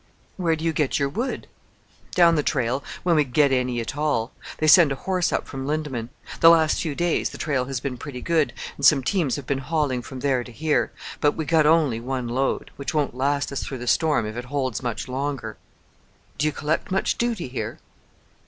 "Where do you get your wood?" "Down the trail when we get any at all. They send a horse up from Lindeman. The last few days the trail has been pretty good, and some teams have been hauling from there to here: but we got only one load which won't last us through the storm, if it holds much longer." "Do you collect much duty here?"